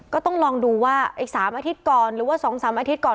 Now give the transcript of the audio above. ก็ต้องลองดูว่าไอ้๓อาทิตย์ก่อนหรือว่า๒๓อาทิตย์ก่อน